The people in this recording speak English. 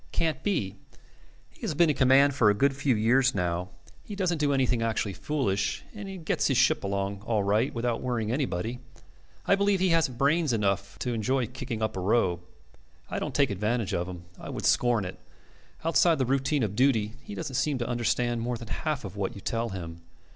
Can't be. He has been in command for a good few years now. He doesn't do anything actually foolish, and gets his ship along all right without worrying anybody. I believe he hasn't brains enough to enjoy kicking up a row. I don't take advantage of him. I would scorn it. Outside the routine of duty he doesn't seem to understand more than half of what you tell him.